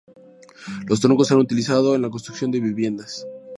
Los troncos se han utilizado en la construcción de viviendas.